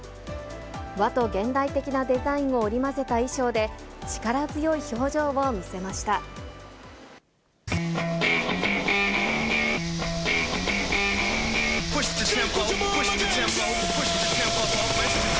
和と現代的なデザインを織り交ぜた衣装で、力強い表情を見せました。